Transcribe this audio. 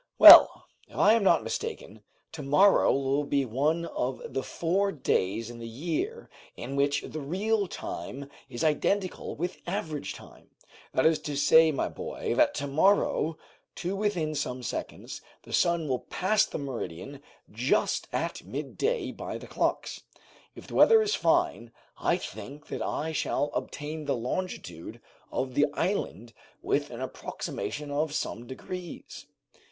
"Well, if I am not mistaken, to morrow will be one of the four days in the year in which the real time is identical with average time; that is to say, my boy, that to morrow, to within some seconds, the sun will pass the meridian just at midday by the clocks. If the weather is fine I think that I shall obtain the longitude of the island with an approximation of some degrees."